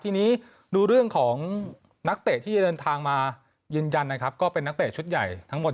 ทีนี้ดูเรื่องของนักเตะที่จะเดินทางมายืนยันนะครับก็เป็นนักเตะชุดใหญ่ทั้งหมด